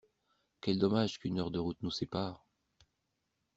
Quel dommage qu’une heure de route nous sépare!